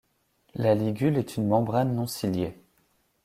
La ligule est une membrane non ciliée.